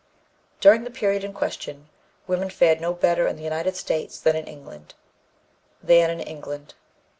During the period in question women fared no better in the United States than in England.